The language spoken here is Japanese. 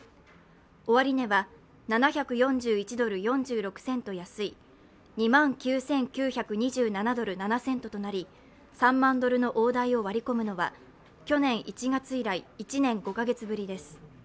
終値は７４１ドル４６セント安い２万９９２７ドル７セントとなり、３万ドルの大台を割り込むのは去年１月以来１年５カ月ぶりです。